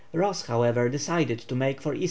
Ross, however, decided to make for E.